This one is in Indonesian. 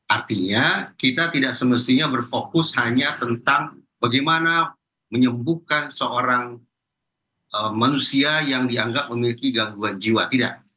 artinya kita tidak semestinya berfokus hanya tentang bagaimana menyembuhkan seorang manusia yang dianggap memiliki gangguan jiwa tidak